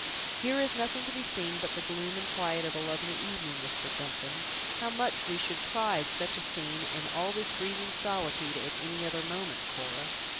"Here is nothing to be seen but the gloom and quiet of a lovely evening," whispered Duncan; "how much should we prize such a scene, and all this breathing solitude, at any other moment, Cora!